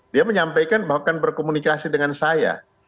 dia menyampaikan bahwa akan berkomunikasi dengan saya